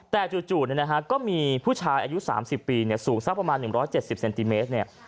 แต่จู่ก็มีผู้ชายอายุ๓๐ปีสูงสักประมาณ๑๗๐เซนติเมตร